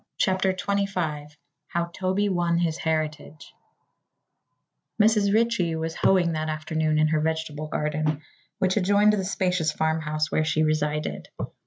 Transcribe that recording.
CHAPTER XXV HOW TOBY WON HIS HERITAGE Mrs. Ritchie was hoeing that afternoon in her vegetable garden, which adjoined the spacious farmhouse where she resided.